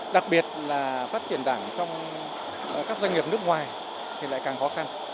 đặc biệt là phát triển đảng trong các doanh nghiệp nước ngoài thì lại càng khó khăn